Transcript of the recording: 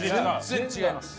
全然違います。